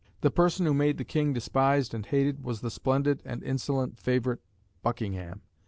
The person who made the King despised and hated was the splendid and insolent favourite, Buckingham.